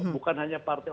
bukan hanya partai